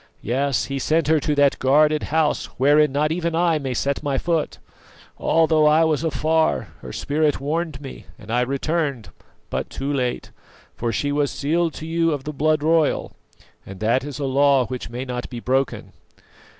Yes, he sent her to that guarded house wherein not even I may set my foot. Although I was afar, her spirit warned me, and I returned, but too late; for she was sealed to you of the blood royal, and that is a law which may not be broken.